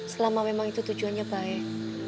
selama memang itu tujuannya baik